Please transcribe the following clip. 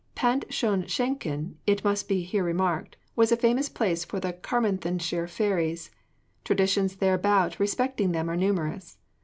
Pant Shon Shenkin, it must be here remarked, was a famous place for the Carmarthenshire fairies. The traditions thereabout respecting them are numerous.